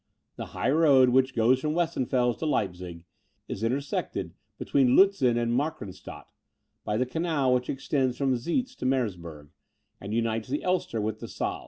The high road which goes from Weissenfels to Leipzig, is intersected between Lutzen and Markranstadt by the canal which extends from Zeitz to Merseburg, and unites the Elster with the Saal.